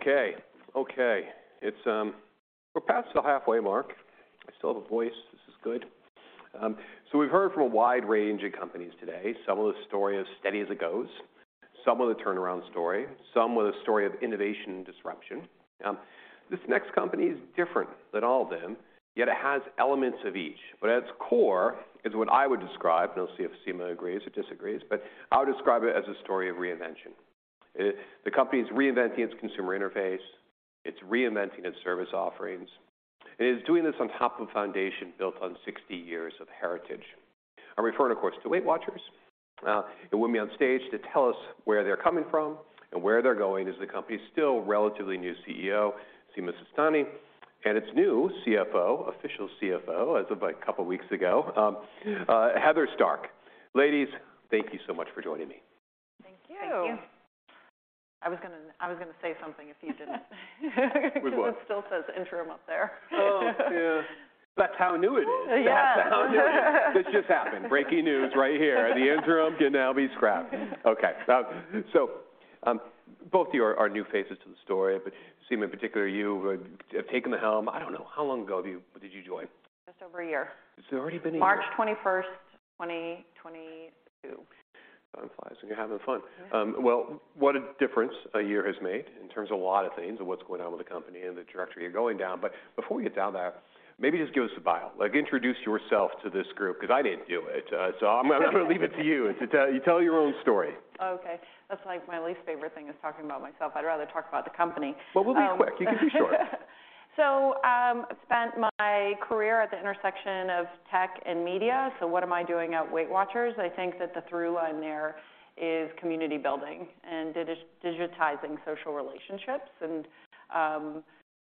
Okay. Okay. It's, we're past the halfway mark. I still have a voice. This is good. So we've heard from a wide range of companies today. Some with a story as steady as it goes, some with a turnaround story, some with a story of innovation and disruption. This next company is different than all of them, yet it has elements of each. At its core is what I would describe, and we'll see if Sima agrees or disagrees, but I would describe it as a story of reinvention. The company's reinventing its consumer interface, it's reinventing its service offerings, and it's doing this on top of a foundation built on 60 years of heritage. I'm referring, of course, to Weight Watchers. With me on stage to tell us where they're coming from and where they're going is the company's still relatively new CEO, Sima Sistani, and its new CFO, official CFO as of a couple of weeks ago, Heather Stark. Ladies, thank you so much for joining me. Thank you. Thank you. I was gonna say something if you didn't. With what? 'Cause it still says interim up there. Oh, yeah. That's how new it is. Yeah. That's how new it is. This just happened. Breaking news right here. The interim can now be scrapped. Okay. Both of you are new faces to the story, but Sima in particular, you have taken the helm, I don't know, how long ago did you join? Just over a year. Has it already been a year? March 21st, 2022. Time flies when you're having fun. Yeah. Well, what a difference a year has made in terms of a lot of things and what's going on with the company and the trajectory you're going down. Before we get down there, maybe just give us a bio. Like, introduce yourself to this group, 'cause I didn't do it. You tell your own story. That's like my least favorite thing is talking about myself. I'd rather talk about the company. We'll be quick. You can be short. I've spent my career at the intersection of tech and media. What am I doing at Weight Watchers? I think that the through line there is community building and digitizing social relationships and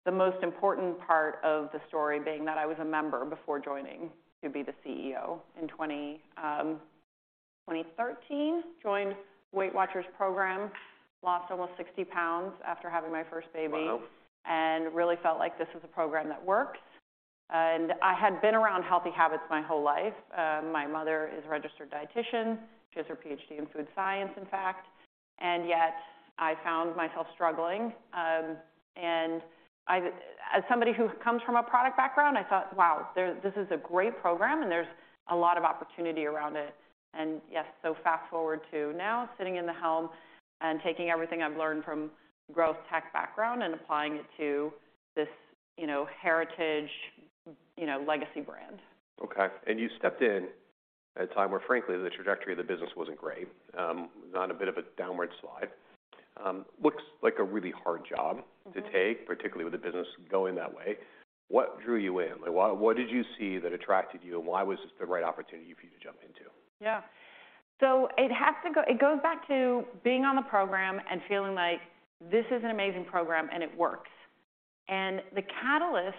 the most important part of the story being that I was a member before joining to be the CEO. In 2013, joined Weight Watchers program, lost almost 60 pounds after having my first baby. Wow and really felt like this was a program that worked. I had been around healthy habits my whole life. My mother is a registered dietitian. She has her PhD in food science, in fact. Yet I found myself struggling. As somebody who comes from a product background, I thought, "Wow, there, this is a great program, and there's a lot of opportunity around it." Fast-forward to now, sitting in the helm and taking everything I've learned from growth tech background and applying it to this, you know, heritage, you know, legacy brand. Okay. You stepped in at a time where, frankly, the trajectory of the business wasn't great. Was on a bit of a downward slide. Looks like a really hard job- Mm-hmm... to take, particularly with the business going that way. What drew you in? Like, what did you see that attracted you, and why was this the right opportunity for you to jump into? It goes back to being on the program and feeling like this is an amazing program and it works. The catalyst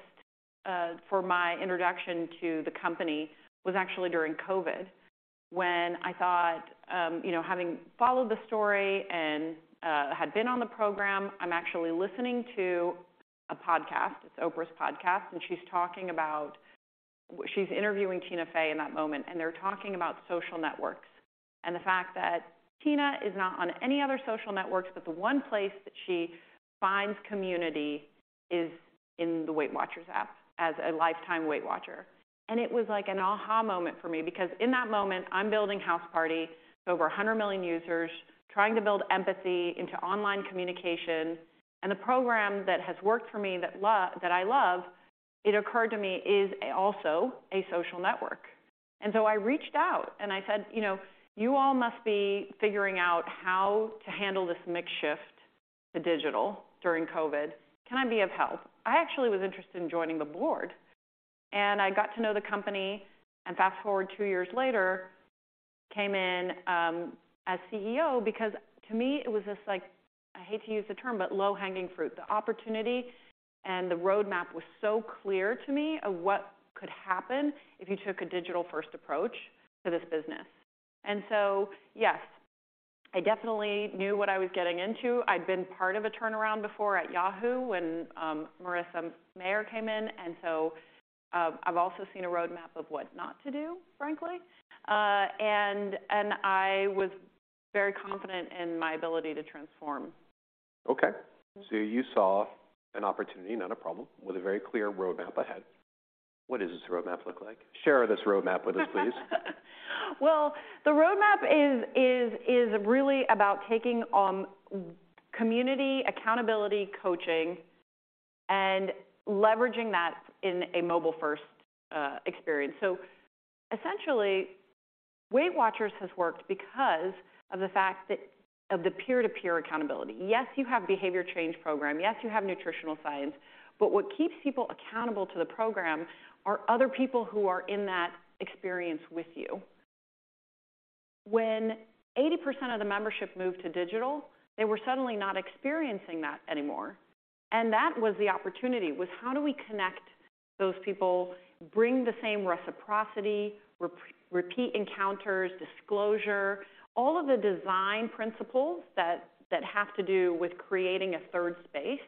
for my introduction to the company was actually during COVID when I thought, you know, having followed the story and had been on the program, I'm actually listening to a podcast, it's Oprah's podcast, and she's interviewing Tina Fey in that moment, and they're talking about social networks and the fact that Tina is not on any other social networks, but the one place that she finds community is in the Weight Watchers app as a lifetime Weight Watcher. It was like an aha moment for me because in that moment, I'm building Houseparty, over 100 million users, trying to build empathy into online communication, and the program that has worked for me that I love, it occurred to me, is also a social network. So I reached out, and I said, "You know, you all must be figuring out how to handle this mixed shift to digital during COVID. Can I be of help?" I actually was interested in joining the board, and I got to know the company. Fast-forward two years later, came in as CEO because to me it was this like, I hate to use the term, but low-hanging fruit. The opportunity and the roadmap was so clear to me of what could happen if you took a digital-first approach to this business. Yes, I definitely knew what I was getting into. I'd been part of a turnaround before at Yahoo when Marissa Mayer came in, and so, I've also seen a roadmap of what not to do, frankly. I was very confident in my ability to transform. Okay. Mm-hmm. You saw an opportunity, not a problem, with a very clear roadmap ahead. What does this roadmap look like? Share this roadmap with us, please. The roadmap is really about taking community accountability coaching and leveraging that in a mobile-first experience. Essentially, Weight Watchers has worked because of the peer-to-peer accountability. Yes, you have a behavior change program, yes, you have nutritional science, but what keeps people accountable to the program are other people who are in that experience with you. When 80% of the membership moved to digital, they were suddenly not experiencing that anymore, and that was the opportunity, was: How do we connect those people, bring the same reciprocity, repeat encounters, disclosure, all of the design principles that have to do with creating a third space,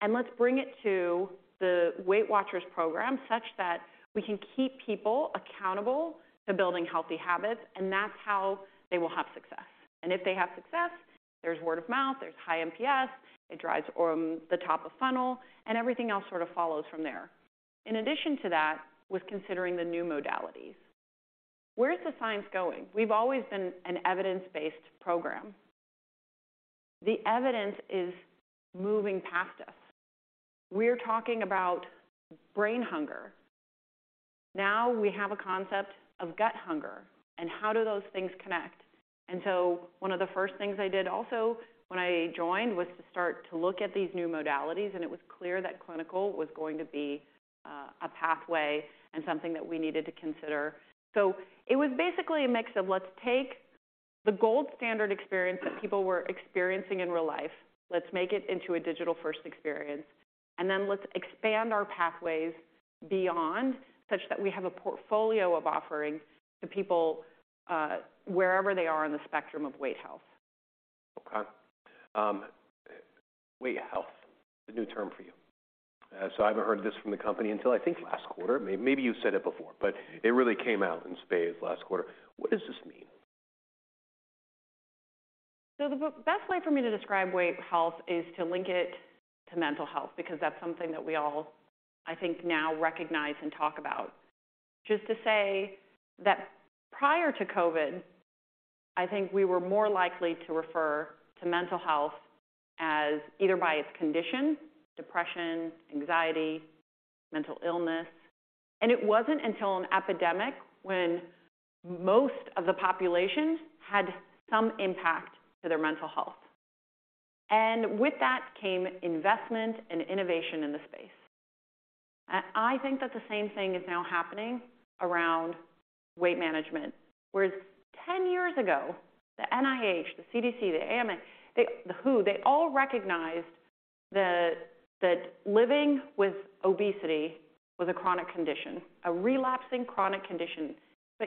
and let's bring it to the Weight Watchers program such that we can keep people accountable to building healthy habits, and that's how they will have success. If they have success, there's word of mouth, there's high MPS, it drives the top of funnel, and everything else sort of follows from there. In addition to that, was considering the new modalities. Where is the science going? We've always been an evidence-based program. The evidence is moving past us. We're talking about brain hunger. Now we have a concept of gut hunger, and how do those things connect. One of the first things I did also when I joined was to start to look at these new modalities, and it was clear that clinical was going to be a pathway and something that we needed to consider. It was basically a mix of let's take the gold standard experience that people were experiencing in real life, let's make it into a digital-first experience, and then let's expand our pathways beyond such that we have a portfolio of offerings to people, wherever they are in the spectrum of weight health. Okay. weight health, the new term for you. I haven't heard this from the company until I think last quarter. Maybe you said it before, but it really came out in spades last quarter. What does this mean? The best way for me to describe weight health is to link it to mental health, because that's something that we all, I think, now recognize and talk about. Which is to say that prior to COVID, I think we were more likely to refer to mental health as either by its condition, depression, anxiety, mental illness. It wasn't until an epidemic when most of the population had some impact to their mental health. With that came investment and innovation in the space. I think that the same thing is now happening around weight management. Whereas 10 years ago, the NIH, the CDC, the AMA, the WHO, they all recognized that living with obesity was a chronic condition, a relapsing chronic condition.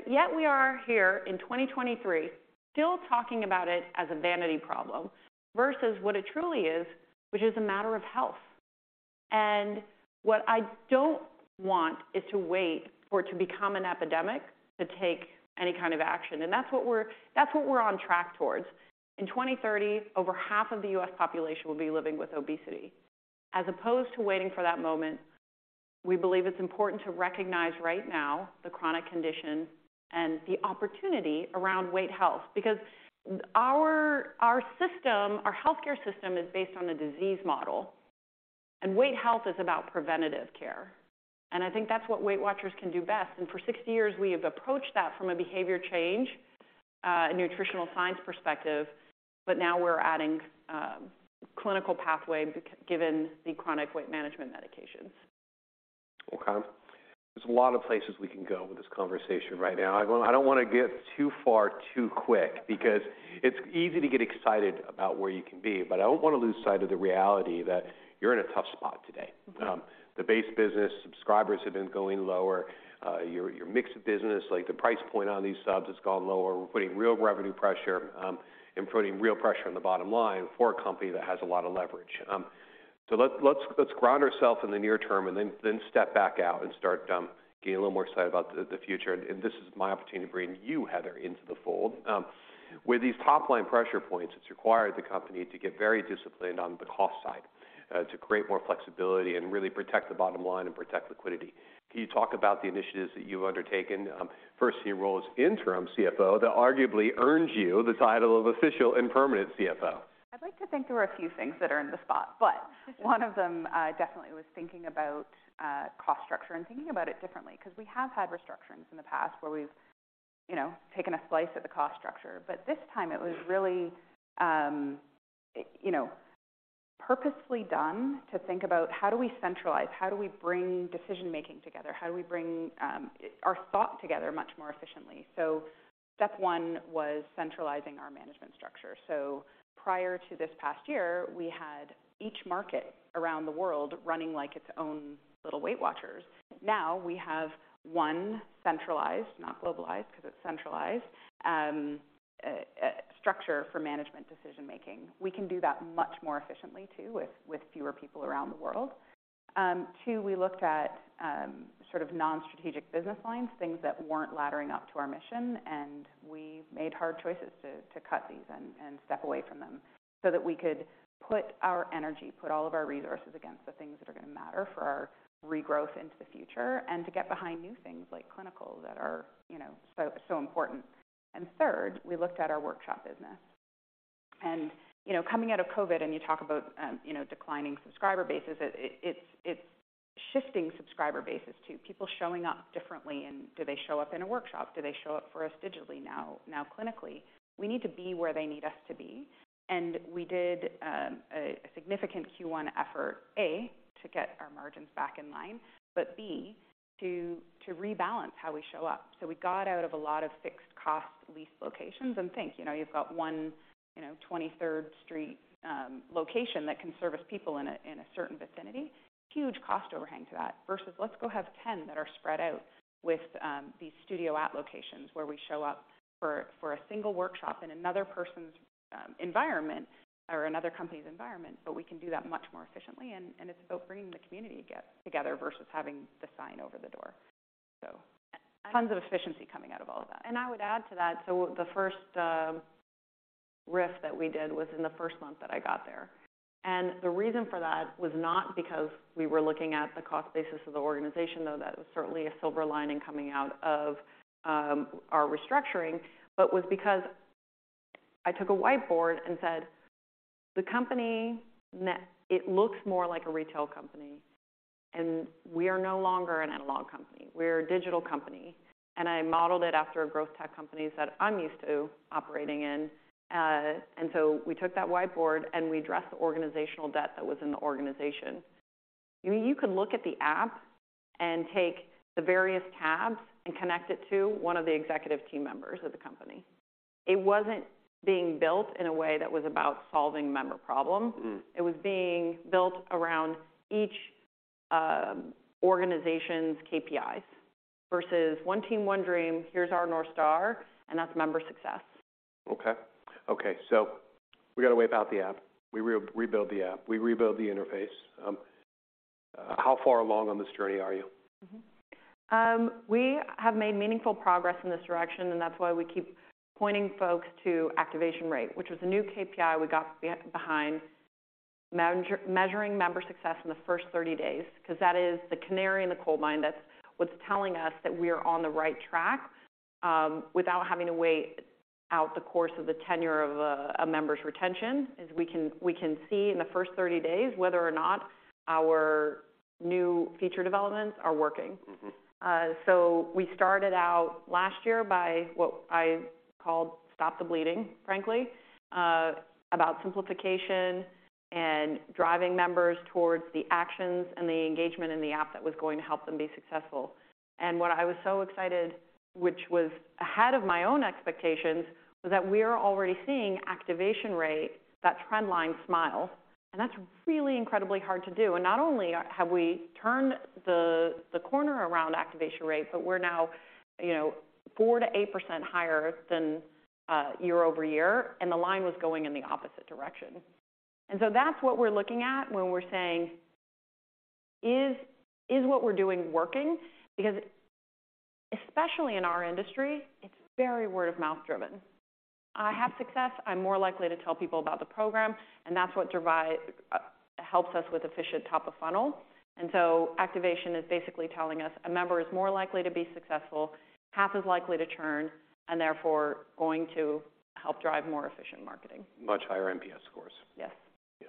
Yet we are here in 2023 still talking about it as a vanity problem versus what it truly is, which is a matter of health. What I don't want is to wait for it to become an epidemic to take any kind of action. That's what we're on track towards. In 2030, over half of the U.S. population will be living with obesity. As opposed to waiting for that moment, we believe it's important to recognize right now the chronic condition and the opportunity around weight health. Our system, our healthcare system, is based on a disease model, and weight health is about preventative care. I think that's what Weight Watchers can do best. For 60 years, we have approached that from a behavior change, nutritional science perspective, but now we're adding clinical pathway given the chronic weight management medications. Okay. There's a lot of places we can go with this conversation right now. I don't wanna get too far too quick because it's easy to get excited about where you can be, but I don't wanna lose sight of the reality that you're in a tough spot today. Mm-hmm. The base business subscribers have been going lower. Your mix of business, like the price point on these subs, has gone lower. We're putting real revenue pressure, and putting real pressure on the bottom line for a company that has a lot of leverage. Let's ground ourselves in the near-term and then step back out and start getting a little more excited about the future. This is my opportunity to bring you, Heather, into the fold. With these top-line pressure points, it's required the company to get very disciplined on the cost side, to create more flexibility and really protect the bottom line and protect liquidity. Can you talk about the initiatives that you've undertaken, first in your role as interim CFO, that arguably earned you the title of official and permanent CFO? I'd like to think there were a few things that earned the spot, but one of them definitely was thinking about cost structure and thinking about it differently. We have had restructurings in the past where we've, you know, taken a slice at the cost structure. This time it was really, you know, purposefully done to think about how do we centralize, how do we bring decision-making together, how do we bring our thought together much more efficiently. Step one was centralizing our management structure. Prior to this past year, we had each market around the world running like its own little Weight Watchers. Now we have one centralized, not globalized 'cause it's centralized structure for management decision-making. We can do that much more efficiently too with fewer people around the world. Two, we looked at, sort of non-strategic business lines, things that weren't laddering up to our mission, and we made hard choices to cut these and step away from them so that we could put our energy, put all of our resources against the things tnhat are gonna matter for our regrowth into the future and to get behind new things like clinical that are, you know, so important. Third, we looked at our workshop business. You know, coming out of COVID, and you talk about, you know, declining subscriber bases, it's shifting subscriber bases to people showing up differently. Do they show up in a workshop? Do they show up for us digitally now, clinically? We need to be where they need us to be. We did a significant Q1 effort, A, to get our margins back in line, but B, to rebalance how we show up. We got out of a lot of fixed-cost lease locations. Think, you know, you've got one, you know, Twenty-third Street location that can service people in a certain vicinity. Huge cost overhang to that versus let's go have 10 that are spread out with these Studios at locations where we show up for a single workshop in another person's environment or another company's environment, but we can do that much more efficiently, and it's about bringing the community get-together versus having the sign over the door. Tons of efficiency coming out of all of that. I would add to that, the first RIF that we did was in the first month that I got there. The reason for that was not because we were looking at the cost basis of the organization, though that was certainly a silver lining coming out of our restructuring, but was because I took a whiteboard and said, "The company it looks more like a retail company, and we are no longer an analog company. We're a digital company." I modeled it after growth tech companies that I'm used to operating in. We took that whiteboard, and we addressed the organizational debt that was in the organization. You could look at the app and take the various tabs and connect it to one of the executive team members of the company. It wasn't being built in a way that was about solving member problems. Mm. It was being built around each organization's KPIs versus one team, one dream, here's our North Star, and that's member success. Okay. Okay. We gotta wipe out the app. We rebuild the app. We rebuild the interface. How far along on this journey are you? We have made meaningful progress in this direction, and that's why we keep pointing folks to activation rate, which was a new KPI we got behind, measuring member success in the first 30 days, because that is the canary in the coal mine. That's what's telling us that we're on the right track, without having to wait out the course of the tenure of a member's retention, is we can see in the first 30 days whether or not our new feature developments are working. Mm-hmm. We started out last year by what I called stop the bleeding, frankly, about simplification and driving members towards the actions and the engagement in the app that was going to help them be successful. What I was so excited, which was ahead of my own expectations, was that we're already seeing activation rate, that trend line smile, and that's really incredibly hard to do. Not only have we turned the corner around activation rate, but we're now, you know, 4% to 8% higher than year-over-year, and the line was going in the opposite direction. That's what we're looking at when we're saying, "Is what we're doing working?" Because especially in our industry, it's very word-of-mouth driven. I have success, I'm more likely to tell people about the program, that's what helps us with efficient top of funnel. Activation is basically telling us a member is more likely to be successful, half as likely to churn, and therefore going to help drive more efficient marketing. Much higher MPS scores. Yes. Yeah.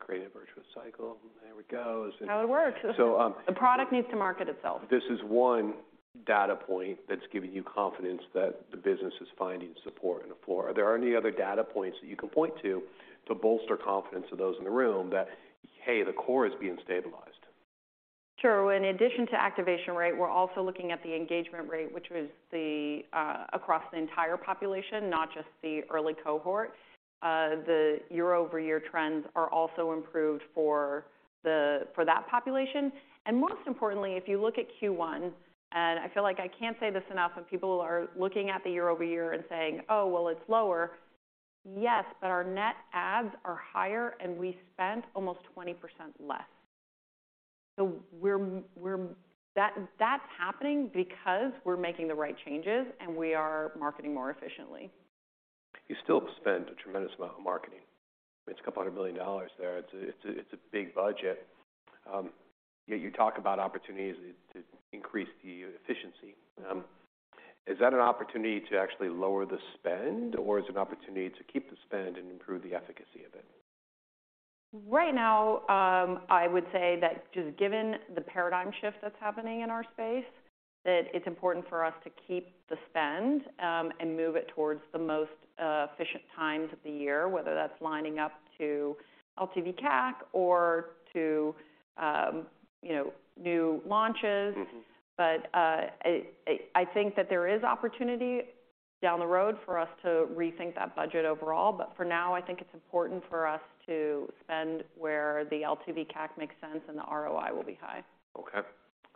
Create a virtuous cycle. There we go. That's how it works. So, um- The product needs to market itself. This is one data point that's giving you confidence that the business is finding support and a floor. Are there any other data points that you can point to to bolster confidence of those in the room that, hey, the core is being stabilized? Sure. In addition to activation rate, we're also looking at the engagement rate, which was the across the entire population, not just the early cohort. The year-over-year trends are also improved for the, for that population. Most importantly, if you look at Q1, I feel like I can't say this enough, people are looking at the year-over-year and saying, "Oh, well, it's lower." Yes, but our net adds are higher, and we spent almost 20% less. We're That's happening because we're making the right changes, and we are marketing more efficiently. You still spend a tremendous amount on marketing. It's a couple hundred million dollars there. It's a big budget. Yet you talk about opportunities to increase the efficiency. Is that an opportunity to actually lower the spend, or is it an opportunity to keep the spend and improve the efficacy of it? Right now, I would say that just given the paradigm shift that's happening in our space, that it's important for us to keep the spend, and move it towards the most efficient times of the year, whether that's lining up to LTV CAC or to, you know, new launches. Mm-hmm. I think that there is opportunity down the road for us to rethink that budget overall, but for now, I think it's important for us to spend where the LTV CAC makes sense and the ROI will be high. Okay.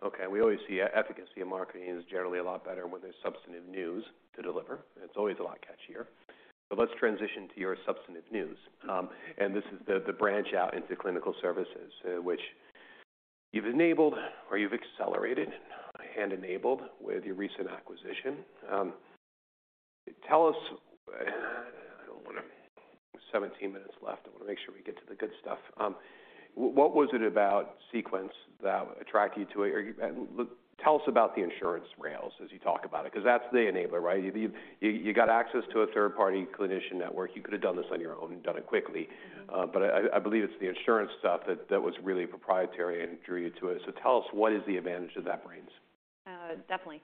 Okay. We always see efficacy of marketing is generally a lot better when there's substantive news to deliver. It's always a lot catchier. Let's transition to your substantive news. This is the branch out into clinical services, which you've enabled or you've accelerated and enabled with your recent acquisition. Tell us. I only have 17 minutes left. I wanna make sure we get to the good stuff. What was it about Sequence that attracted you to it? Tell us about the insurance rails as you talk about it 'cause that's the enabler, right? You've, you got access to a third-party clinician network. You could have done this on your own and done it quickly. Mm-hmm. I believe it's the insurance stuff that was really proprietary and drew you to it. Tell us what is the advantage that brings? Definitely.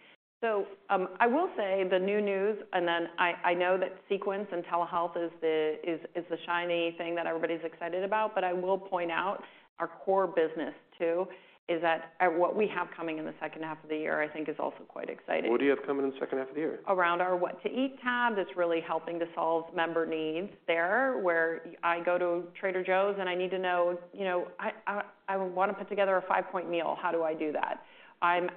I will say the new news, and then I know that Sequence and telehealth is the shiny thing that everybody's excited about, but I will point out our core business too is that what we have coming in the second half of the year, I think is also quite exciting. What do you have coming in the second half of the year? Around our what to eat tab that's really helping to solve member needs there, where I go to Trader Joe's, I need to know, you know, I wanna put together a five-point meal. How do I do that? I'm,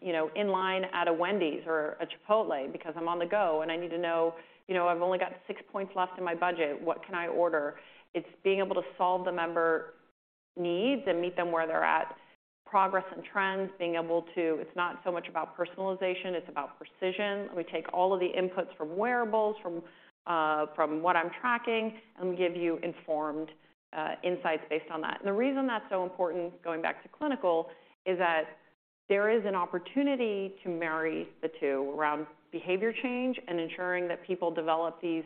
you know, in line at a Wendy's or a Chipotle because I'm on the go, I need to know, you know, I've only got six points left in my budget. What can I order? It's being able to solve the member needs and meet them where they're at. Progress and trends, It's not so much about personalization, it's about precision. We take all of the inputs from wearables, from what I'm tracking, we give you informed insights based on that. The reason that's so important, going back to clinical, is that there is an opportunity to marry the two around behavior change and ensuring that people develop these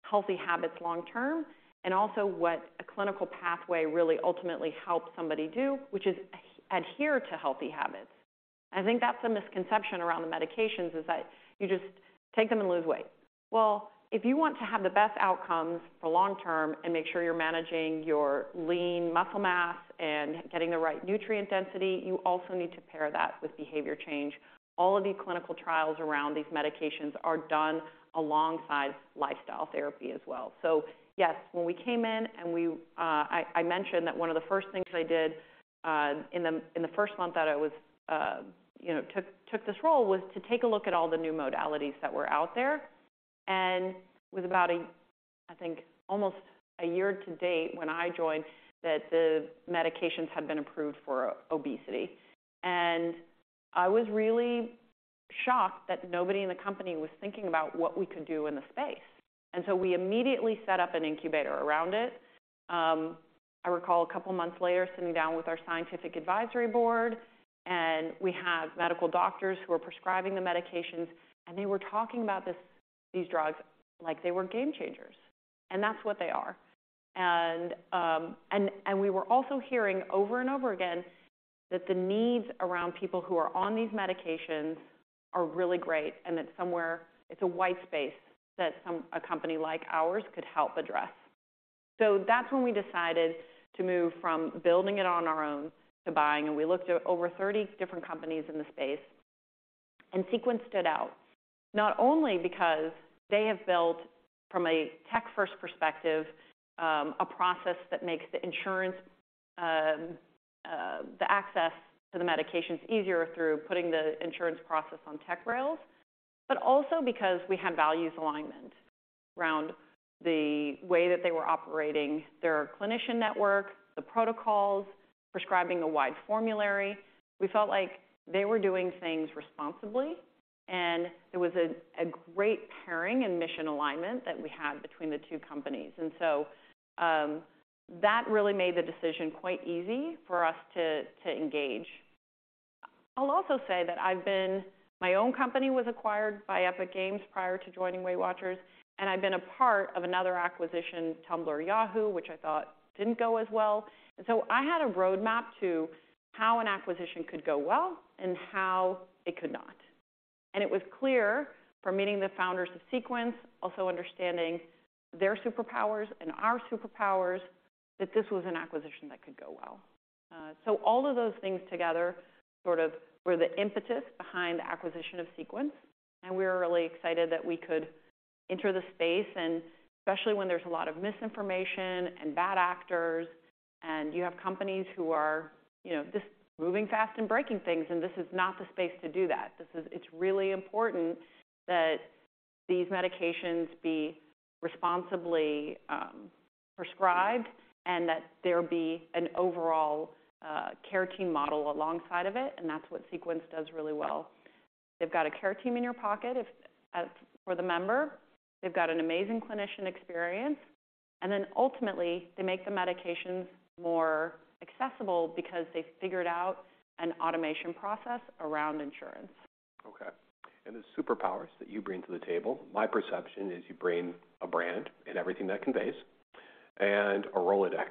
healthy habits long term, and also what a clinical pathway really ultimately helps somebody do, which is adhere to healthy habits. I think that's a misconception around the medications, is that you just take them and lose weight. Well, if you want to have the best outcomes for long-term and make sure you're managing your lean muscle mass and getting the right nutrient density, you also need to pair that with behavior change. All of the clinical trials around these medications are done alongside lifestyle therapy as well. Yes, when we came in and we... I mentioned that one of the first things I did in the first month that I was, you know, took this role, was to take a look at all the new modalities that were out there. It was about almost a year-to-date when I joined that the medications had been approved for obesity. I was really shocked that nobody in the company was thinking about what we could do in the space. We immediately set up an incubator around it. I recall a couple of months later sitting down with our scientific advisory board. We have medical doctors who are prescribing the medications, and they were talking about these drugs like they were game changers. That's what they are. We were also hearing over and over again that the needs around people who are on these medications are really great and that somewhere it's a wide space that a company like ours could help address. That's when we decided to move from building it on our own to buying. We looked at over 30 different companies in the space, and Sequence stood out, not only because they have built, from a tech-first perspective, a process that makes the insurance, the access to the medications easier through putting the insurance process on tech rails, but also because we had values alignment around the way that they were operating their clinician network, the protocols, prescribing a wide formulary. We felt like they were doing things responsibly, and it was a great pairing and mission alignment that we had between the two companies. That really made the decision quite easy for us to engage. I'll also say that my own company was acquired by Epic Games prior to joining Weight Watchers, and I've been a part of another acquisition, Tumblr Yahoo, which I thought didn't go as well. I had a roadmap to how an acquisition could go well and how it could not. It was clear from meeting the founders of Sequence, also understanding their superpowers and our superpowers, that this was an acquisition that could go well. All of those things together sort of were the impetus behind the acquisition of Sequence, and we were really excited that we could enter the space. Especially when there's a lot of misinformation and bad actors, and you have companies who are, you know, just moving fast and breaking things, and this is not the space to do that. It's really important that these medications be responsibly prescribed and that there be an overall care team model alongside of it, and that's what Sequence does really well. They've got a care team in your pocket if for the member. They've got an amazing clinician experience. Ultimately, they make the medications more accessible because they figured out an automation process around insurance. The superpowers that you bring to the table, my perception is you bring a brand and everything that conveys, and a Rolodex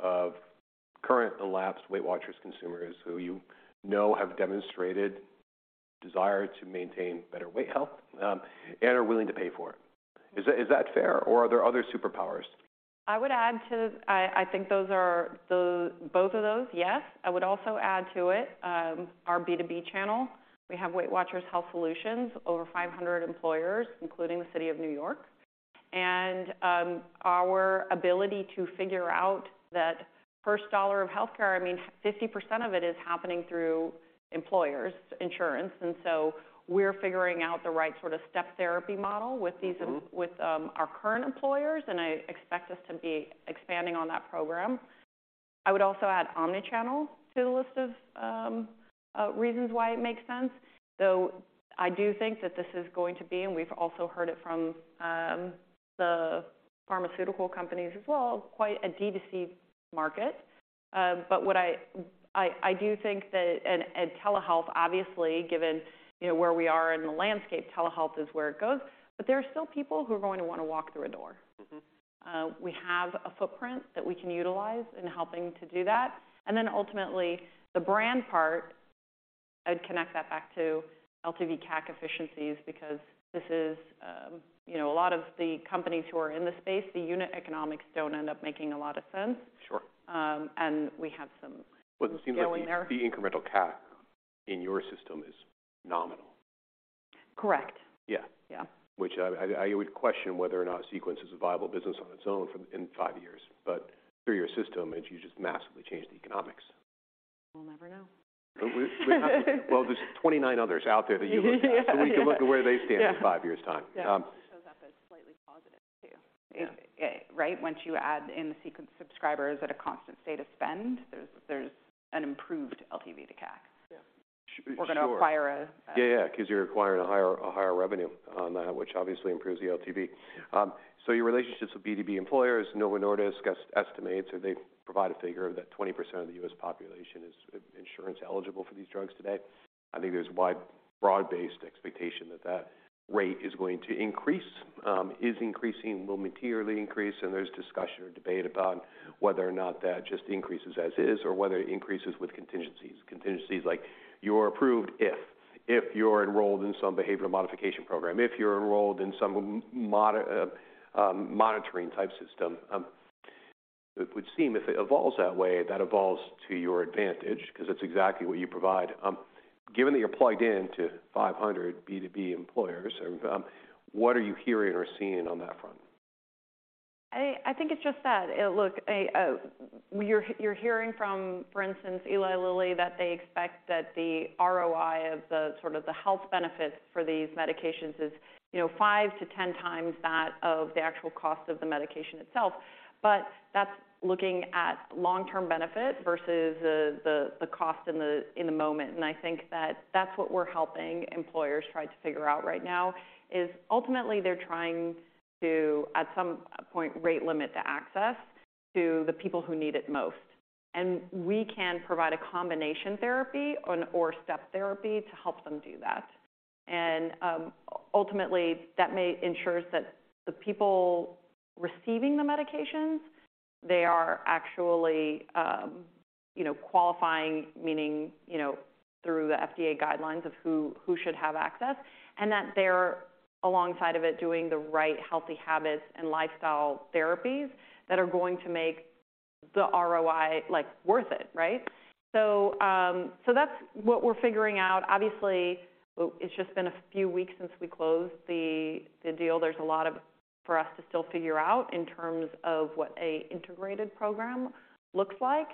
of current and lapsed Weight Watchers consumers who you know have demonstrated desire to maintain better weight health, and are willing to pay for it. Is that fair, or are there other superpowers? I would add to. I think those are the. Both of those, yes. I would also add to it, our B2B channel. We have Weight Watchers Health Solutions, over 500 employers, including the City of New York. Our ability to figure out that first dollar of healthcare, I mean, 50% of it is happening through employers' insurance. We're figuring out the right sort of step therapy model with these. Mm-hmm. With our current employers, I expect us to be expanding on that program. I would also add omnichannel to the list of reasons why it makes sense. I do think that this is going to be, and we've also heard it from the pharmaceutical companies as well, quite a D2C market. Telehealth, obviously, given, you know, where we are in the landscape, telehealth is where it goes. There are still people who are going to wanna walk through a door. Mm-hmm. We have a footprint that we can utilize in helping to do that. Ultimately, the brand part, I'd connect that back to LTV CAC efficiencies because this is, you know, a lot of the companies who are in the space, the unit economics don't end up making a lot of sense. Sure. We have. Well, it seems like. Go in there. the incremental CAC in your system is nominal. Correct. Yeah. Yeah. Which I would question whether or not Sequence is a viable business on its own in five years. Through your system, you just massively change the economics. We'll never know. We have. Well, there's 29 others out there that you looked at. Yeah. We can look at where they stand. Yeah. in five years' time. Yeah. Right. Once you add in the Sequence subscribers at a constant state of spend, there's an improved LTV to CAC. Yeah. Sure. We're gonna acquire. Yeah, yeah. 'Cause you're acquiring a higher revenue on that, which obviously improves the LTV. Your relationships with B2B employers, Novo Nordisk estimates, or they provide a figure that 20% of the U.S. population is insurance eligible for these drugs today. I think there's a wide broad-based expectation that that rate is going to increase, is increasing, will materially increase, there's discussion or debate about whether or not that just increases as is or whether it increases with contingencies. Contingencies like you're approved if you're enrolled in some behavioral modification program, if you're enrolled in some mode monitoring type system. It would seem if it evolves that way, that evolves to your advantage because it's exactly what you provide. Given that you're plugged in to 500 B2B employers, what are you hearing or seeing on that front? I think it's just that. Look, you're hearing from, for instance, Eli Lilly, that they expect that the ROI of the sort of the health benefits for these medications is, you know, five to 10 times that of the actual cost of the medication itself. That's looking at long-term benefit versus the cost in the moment. I think that that's what we're helping employers try to figure out right now, is ultimately they're trying to, at some point, rate limit the access to the people who need it most. We can provide a combination therapy or step therapy to help them do that. Ultimately, that may ensures that the people receiving the medications, they are actually, you know, qualifying, meaning, you know, through the FDA guidelines of who should have access, and that they're alongside of it doing the right healthy habits and lifestyle therapies that are going to make the ROI, like, worth it, right? so that's what we're figuring out. Obviously, it's just been a few weeks since we closed the deal. There's a lot of... for us to still figure out in terms of what a integrated program looks like.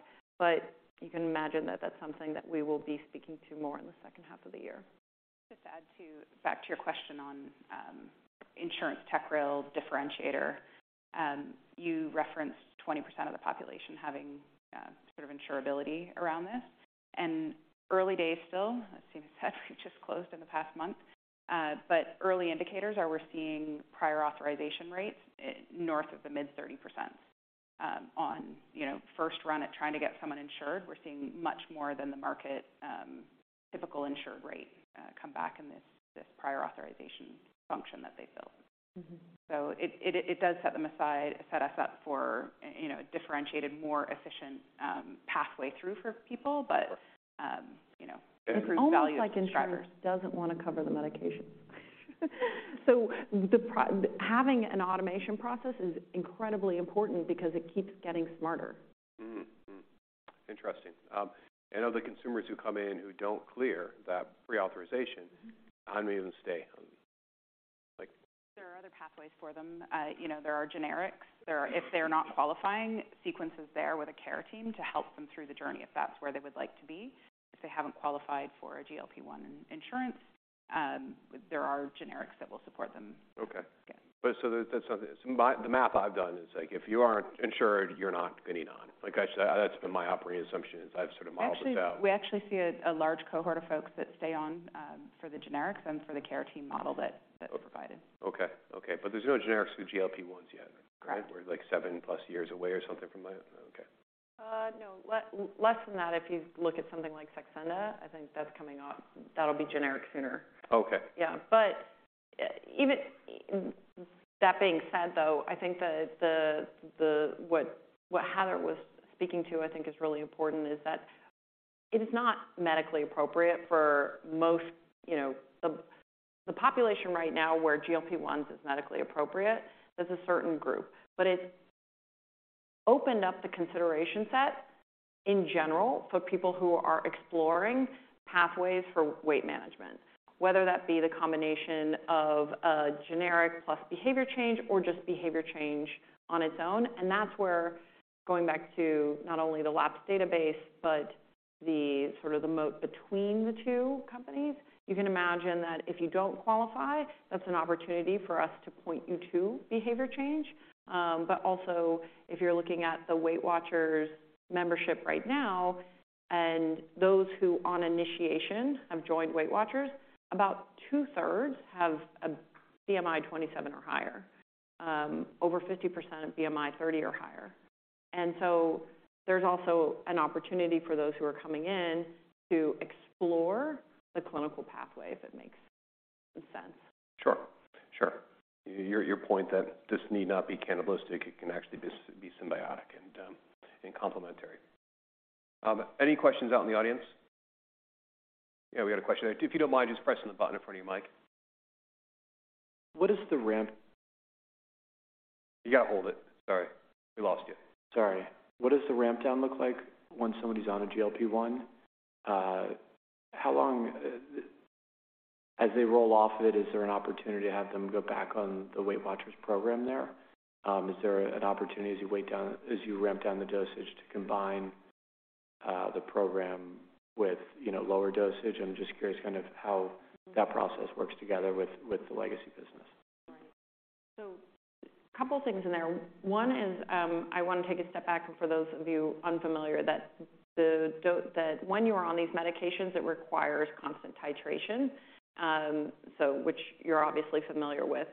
You can imagine that that's something that we will be speaking to more in the second half of the year. Just to add back to your question on insurance tech rail differentiator, you referenced 20% of the population having sort of insurability around this. Early days still, as Sima said, we just closed in the past month. Early indicators are we're seeing prior authorization rates north of the mid-30% on, you know, first run at trying to get someone insured. We're seeing much more than the market, typical insured rate, come back in this prior authorization function that they built. Mm-hmm. It does set them aside, set us up for, you know, differentiated, more efficient, pathway through for people. You know, improves value to subscribers. It's almost like insurance doesn't wanna cover the medication. Having an automation process is incredibly important because it keeps getting smarter. Interesting. Of the consumers who come in who don't clear that pre-authorization. Mm-hmm. how many of them stay on? Like- There are other pathways for them. you know, there are generics. If they're not qualifying, Sequence is there with a care team to help them through the journey, if that's where they would like to be. If they haven't qualified for a GLP-1 insurance, there are generics that will support them. Okay. Yeah. That's something. The math I've done is like, if you aren't insured, you're not getting on. That's been my operating assumption is I've sort of modeled this out. Actually, we actually see a large cohort of folks that stay on, for the generics and for the care team model that we provided. Okay. Okay. There's no generics for GLP-1s yet, correct? Right. We're like 7+ years away or something from that? Okay. No. Less than that, if you look at something like Saxenda, I think that's coming off. That'll be generic sooner. Okay. Yeah. That being said, though, I think that what Heather was speaking to, I think is really important is that it is not medically appropriate. You know, the population right now where GLP-1 is medically appropriate, there's a certain group. It's opened up the consideration set in general for people who are exploring pathways for weight management, whether that be the combination of a generic plus behavior change or just behavior change on its own. That's where going back to not only the LAPS database, but the sort of the moat between the two companies. You can imagine that if you don't qualify, that's an opportunity for us to point you to behavior change. If you're looking at the Weight Watchers membership right now, and those who on initiation have joined Weight Watchers, about two-thirds have a BMI 27 or higher. Over 50% have BMI 30 or higher. There's also an opportunity for those who are coming in to explore the clinical pathway, if it makes some sense. Sure. Sure. Your point that this need not be cannibalistic, it can actually just be symbiotic and complementary. Any questions out in the audience? Yeah, we got a question there. If you don't mind, just pressing the button in front of your mic. What is the ramp- You gotta hold it. Sorry. We lost you. Sorry. What does the ramp down look like when somebody's on a GLP-1? How long? As they roll off it, is there an opportunity to have them go back on the Weight Watchers program there? Is there an opportunity as you ramp down the dosage to combine the program with, you know, a lower dosage? I'm just curious kind of how that process works together with the legacy business. Couple things in there. One is, I wanna take a step back and for those of you unfamiliar that when you are on these medications, it requires constant titration, which you're obviously familiar with.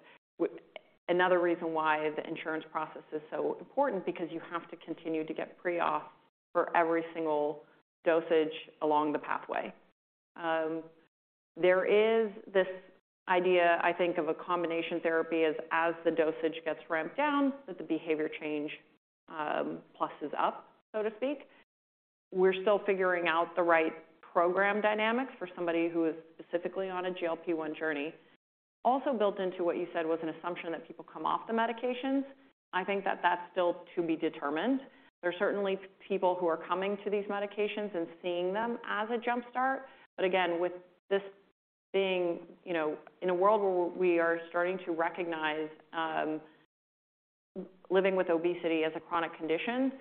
Another reason why the insurance process is so important, because you have to continue to get pre-authorizations for every single dosage along the pathway. There is this idea, I think, of a combination therapy as the dosage gets ramped down, that the behavior change pluses up, so to speak. We're still figuring out the right program dynamics for somebody who is specifically on a GLP-1 journey. Also built into what you said was an assumption that people come off the medications. I think that that's still to be determined. There are certainly people who are coming to these medications and seeing them as a jump start. Again, with this being, you know, in a world where we are starting to recognize living with obesity as a chronic condition,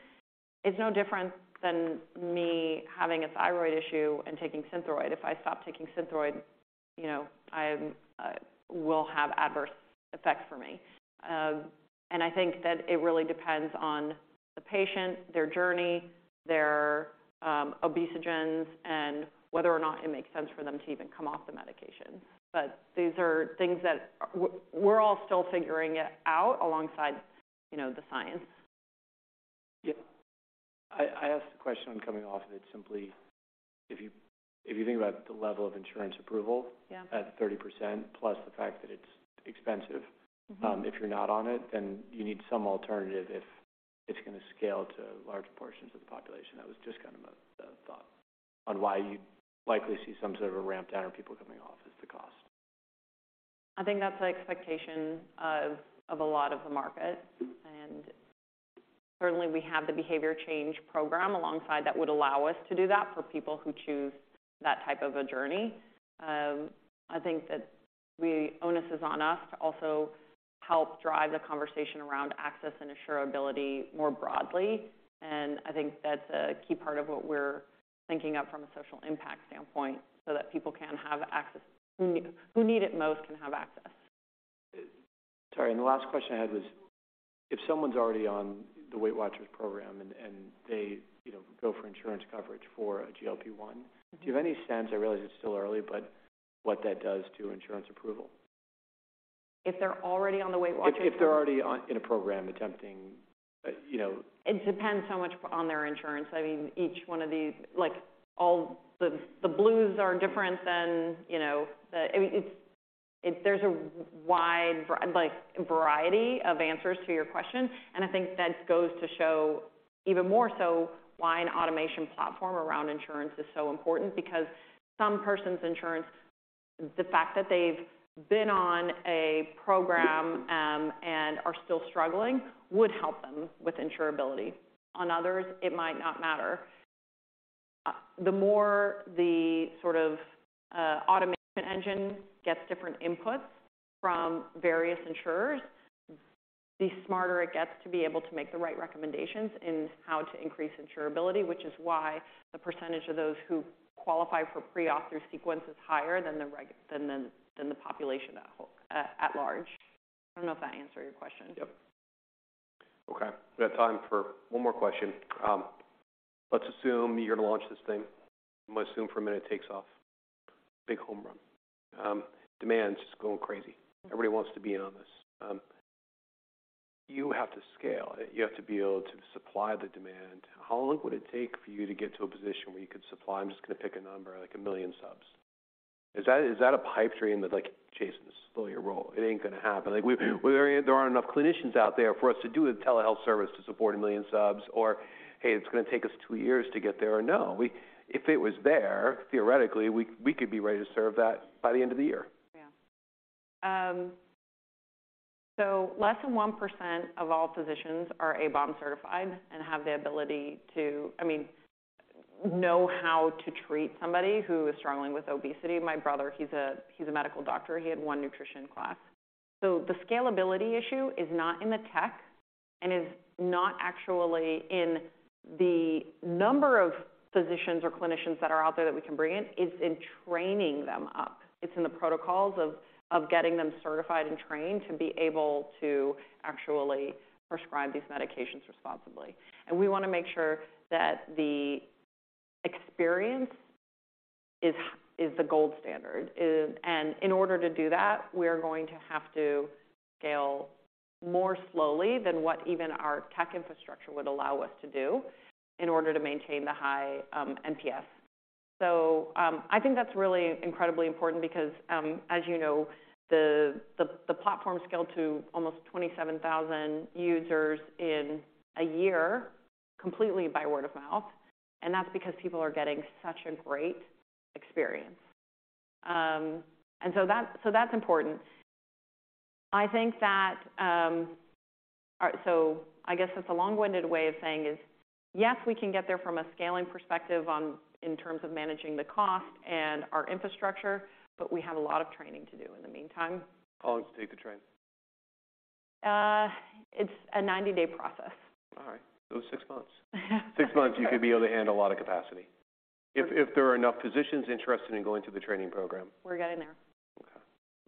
it's no different than me having a thyroid issue and taking Synthroid. If I stop taking Synthroid, you know, I'm, will have adverse effects for me. I think that it really depends on the patient, their journey, their obesogens, and whether or not it makes sense for them to even come off the medication. These are things that we're all still figuring it out alongside, you know, the science. Yeah. I asked the question on coming off of it simply if you think about the level of insurance approval. Yeah at 30%, plus the fact that it's expensive. Mm-hmm. If you're not on it, then you need some alternative if it's gonna scale to large portions of the population. That was just kind of a thought on why you'd likely see some sort of a ramp down or people coming off is the cost. I think that's the expectation of a lot of the market, certainly we have the behavior change program alongside that would allow us to do that for people who choose that type of a journey. I think that onus is on us to also help drive the conversation around access and insurability more broadly. I think that's a key part of what we're thinking of from a social impact standpoint, so that people can have access... who need it most can have access. Sorry, the last question I had was, if someone's already on the Weight Watchers program and they, you know, go for insurance coverage for a GLP-1- Mm-hmm Do you have any sense, I realize it's still early, but what that does to insurance approval? If they're already on the Weight Watchers program? If they're already on, in a program attempting, you know. It depends how much on their insurance. I mean, each one of these. Like, all the Blues are different than, you know, the. I mean, there's a wide variety of answers to your question. I think that goes to show even more so why an automation platform around insurance is so important because some person's insurance, the fact that they've been on a program and are still struggling would help them with insurability. On others, it might not matter. The more the sort of automation engine gets different inputs from various insurers, the smarter it gets to be able to make the right recommendations in how to increase insurability, which is why the percentage of those who qualify for pre-op through Sequence is higher than the population at large. I don't know if that answered your question. Yep. Okay. We got time for one more question. Let's assume you're gonna launch this thing. I'm gonna assume for a minute it takes off. Big home run. Demand's just going crazy. Everybody wants to be in on this. You have to scale. You have to be able to supply the demand. How long would it take for you to get to a position where you could supply, I'm just gonna pick a number, like 1 million subs? Is that a pipe dream that, like, "Jason, slow your roll. It ain't gonna happen. Like, we, there aren't enough clinicians out there for us to do a telehealth service to support 1 million subs," or, "Hey, it's gonna take us two years to get there," or no? If it was there, theoretically, we could be ready to serve that by the end of the year. Yeah. Less than 1% of all physicians are ABOM certified and have the ability to, I mean, know how to treat somebody who is struggling with obesity. My brother, he's a medical doctor. He had one nutrition class. The scalability issue is not in the tech and is not actually in the number of physicians or clinicians that are out there that we can bring in. It's in training them up. It's in the protocols of getting them certified and trained to be able to actually prescribe these medications responsibly. We wanna make sure that the experience is the gold standard. In order to do that, we're going to have to scale more slowly than what even our tech infrastructure would allow us to do in order to maintain the high NPS. I think that's really incredibly important because, as you know, the platform scaled to almost 27,000 users in a year completely by word of mouth, and that's because people are getting such a great experience. That's important. I think that. All right. I guess that's a long-winded way of saying is, yes, we can get there from a scaling perspective on, in terms of managing the cost and our infrastructure, but we have a lot of training to do in the meantime. How long does it take to train? It's a 90-day process. All right. six months, you could be able to handle a lot of capacity. If there are enough physicians interested in going through the training program. We're getting there.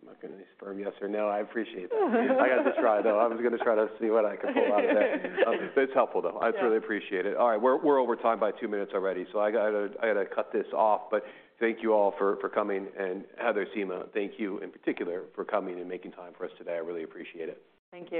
Okay. I'm not getting a firm yes or no. I appreciate that. I got to try, though. I was gonna try to see what I could pull out of that. It's helpful, though. Good. I truly appreciate it. All right. We're over time by two minutes already, so I gotta cut this off. Thank you all for coming. Heather Stark, thank you in particular for coming and making time for us today. I really appreciate it. Thank you.